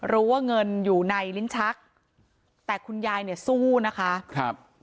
รู้ว่าเงินอยู่ในลิ้นชักแต่คุณยายเนี่ยสู้นะคะครับ